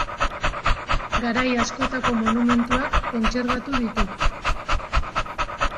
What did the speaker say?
Garai askotako monumentuak kontserbatu ditu.